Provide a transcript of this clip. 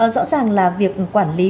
rõ ràng là việc quản lý